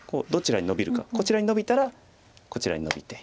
こちらにノビたらこちらにノビて。